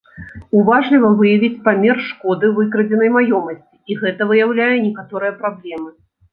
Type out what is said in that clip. Уважліва выявіць памер шкоды выкрадзенай маёмасці, і гэта выяўляе некаторыя праблемы.